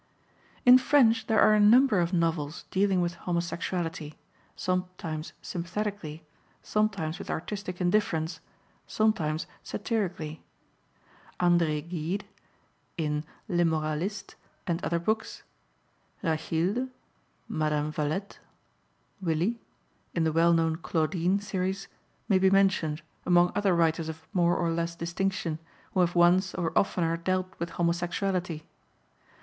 In French there are a number of novels dealing with homosexuality, sometimes sympathetically, sometimes with artistic indifference, sometimes satirically. André Gide (in L'Immoraliste and other books), Rachilde (Madame Vallette), Willy (in the well known Claudine series) may be mentioned, among other writers of more or less distinction, who have once or oftener dealt with homosexuality.